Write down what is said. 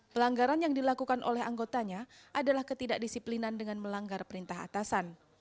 pelanggaran yang dilakukan oleh anggotanya adalah ketidakdisiplinan dengan melanggar perintah atasan